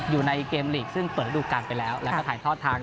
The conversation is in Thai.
อยู่ในเกมลีกซึ่งเปิดระดูการไปแล้วแล้วก็ถ่ายทอดทาง